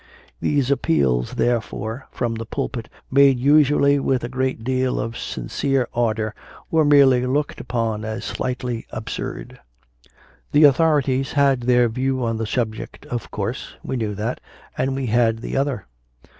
These ap peals, therefore, from the pulpit, made usually with a great deal of sincere ardour, were merely looked upon 22 CONFESSIONS OF A CONVERT as slightly absurd. The authorities had their view on the subject, of course we knew that and we had the other.